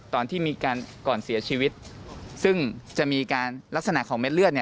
ตอนที่มีการก่อนเสียชีวิตซึ่งจะมีการลักษณะของเม็ดเลือดเนี่ย